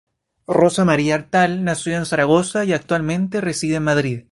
Rosa María Artal nació en Zaragoza y actualmente reside en Madrid.